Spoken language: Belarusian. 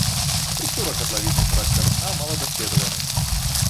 Структура катлавіны і характар дна мала даследаваны.